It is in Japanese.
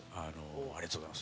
ありがとうございます。